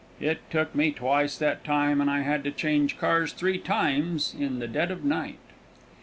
It took me twice that time, and I had to change cars three times in the dead of night.